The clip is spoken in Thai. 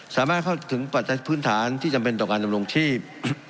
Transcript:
สามารถเข้าถึงปัจจัยพื้นฐานที่จำเป็นต่อการดำรงชีพ